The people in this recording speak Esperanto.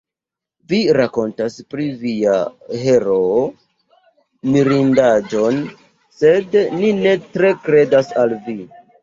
Vi rakontas pri via heroo mirindaĵon, sed ni ne tre kredas al vi.